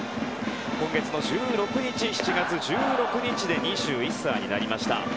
今月の７月１６日で２１歳になりました。